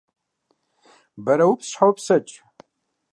Бэрэупс щхьэ упсэкӏ!